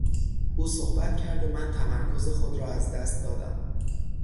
او صحبت کرد و من تمرکز خود را از دست دادم.